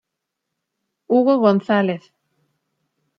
Hugo González